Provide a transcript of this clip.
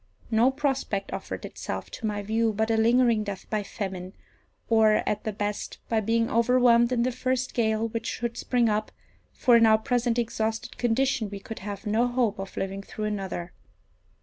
No prospect offered itself to my view but a lingering death by famine, or, at the best, by being overwhelmed in the first gale which should spring up, for in our present exhausted condition we could have no hope of living through another.